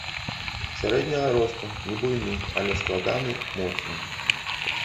Сярэдняга росту, не буйны, але складаны, моцны.